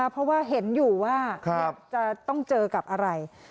เพราะว่าเห็นอยู่ว่าจะต้องเจอกับอะไร